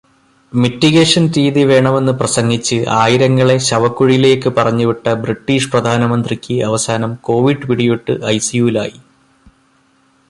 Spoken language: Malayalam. മിറ്റിഗേഷൻ രീതി വേണമെന്നു പ്രസംഗിച്ച്, ആയിരങ്ങളെ ശവക്കുഴിയിലേക്ക് പറഞ്ഞുവിട്ട ബ്രിട്ടീഷ് പ്രധാനമന്ത്രിക്ക് അവസാനം കോവിഡ് പിടിപെട്ട് ഐസിയുവിലായി.